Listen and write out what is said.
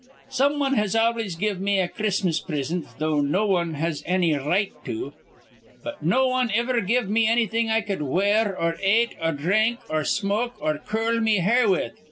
"Some wan has always give me a Chris'mas prisint, though no wan has anny r right to. But no wan iver give me annything I cud wear or ate or dhrink or smoke or curl me hair with.